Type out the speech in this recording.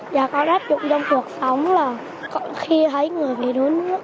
và con áp dụng trong cuộc sống là khi thấy người bị đuối nước